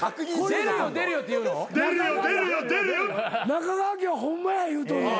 中川家はホンマや言うとんねん。